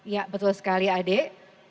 ya betul sekali adik